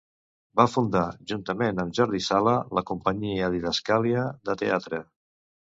Va fundar, juntament amb Jordi Sala, la companyia Didascàlia de teatre.